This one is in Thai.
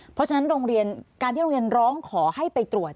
เพราะฉะนั้นโรงเรียนการที่โรงเรียนร้องขอให้ไปตรวจ